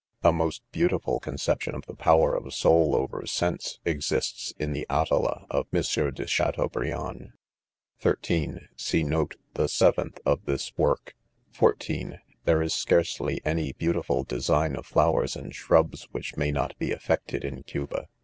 A most beautiful conception of the power of soul over sense, exists in the « Atala" of M. de Chateaubriand, NOTES, ^27 (13) See note the seventh of this work. (14) There is scarcely any beautiful design of flowers and shrubs, which may not be effected in Cuba.